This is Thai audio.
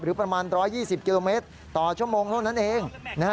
ประมาณ๑๒๐กิโลเมตรต่อชั่วโมงเท่านั้นเอง